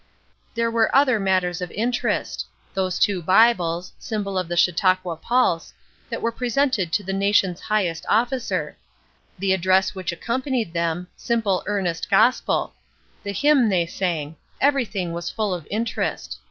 There were other matters of interest: those two Bibles, symbol of the Chautauqua pulse, that were presented to the nation's highest officer; the address which accompanied them simple, earnest gospel; the hymn they sang, everything was full of interest.